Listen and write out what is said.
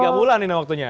tiga bulan ini waktunya